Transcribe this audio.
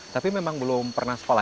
tapi memang belum pernah sekolah